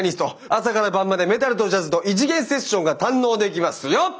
朝から晩までメタルとジャズと異次元セッションが堪能できますよ！